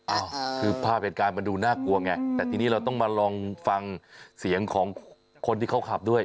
อ้าวคือภาพเหตุการณ์มันดูน่ากลัวไงแต่ทีนี้เราต้องมาลองฟังเสียงของคนที่เขาขับด้วย